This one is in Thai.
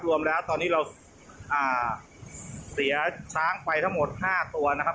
รวมแล้วตอนนี้เราเสียช้างไปทั้งหมด๕ตัวนะครับ